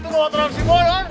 itu ngomong transi gue ya